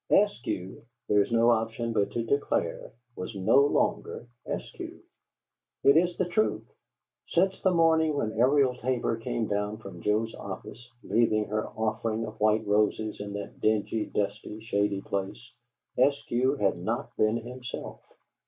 Eskew there is no option but to declare was no longer Eskew. It is the truth; since the morning when Ariel Tabor came down from Joe's office, leaving her offering of white roses in that dingy, dusty, shady place, Eskew had not been himself.